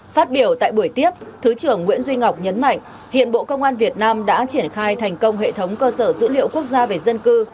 phát biểu tại buổi tiếp thứ trưởng nguyễn duy ngọc nhấn mạnh hiện bộ công an việt nam đã triển khai thành công hệ thống cơ sở dữ liệu quốc gia về dân cư